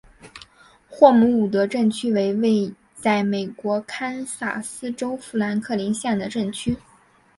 霍姆伍德镇区为位在美国堪萨斯州富兰克林县的镇区。